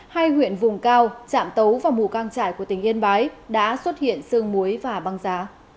hai huyện vùng cao trạm tấu và mù căng trải của tỉnh yên bái đã xuất hiện sương muối và băng giá